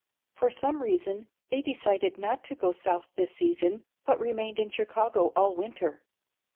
For some reason they decided not to go South this season but remained in Chicago all winter.